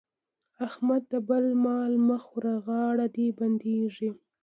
احمده! د بل مال مه خوره غاړه دې بندېږي.